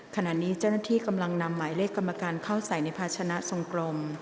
ขณะนี้เจ้าหน้าที่กำลังนำหมายเลขกรรมการเข้าใส่ในภาชนะทรงกลม